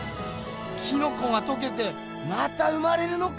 キノコがとけてまた生まれるのかぁ！